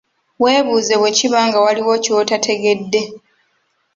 Weebuze bwe kiba nga waliwo ky'otategedde.